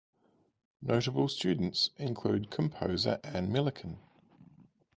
Notable students include composer Ann Millikan.